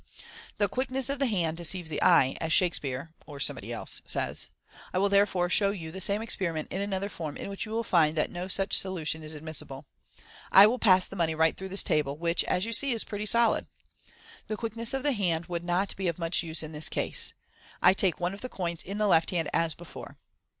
' The quickness of the hand deceives the eye/ as Shakspeare (or somebody else) says. I will therefore show you the same experiment in another form in which you will find that no such solution is admissible. I will pass the money right through this table, which is, as you see, pretty solid. The quickness of the hand would not be of much use in this case. I take one of the coins in the left hand, as before."